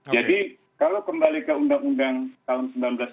jadi kalau kembali ke undang undang tahun seribu sembilan ratus sembilan puluh tujuh